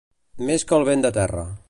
Més que el vent de terra.